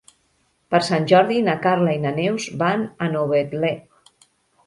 Per Sant Jordi na Carla i na Neus van a Novetlè.